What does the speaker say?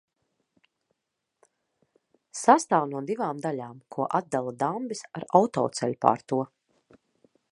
Sastāv no divām daļām, ko atdala dambis ar autoceļu pār to.